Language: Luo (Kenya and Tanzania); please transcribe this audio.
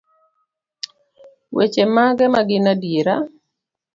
weche mage magin adiera?